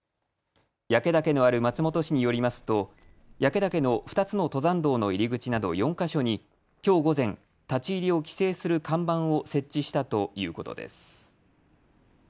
焼岳のある松本市によりますと焼岳の２つの登山道の入り口など４か所に、きょう午前、立ち入りを規制する看板を設置したということです。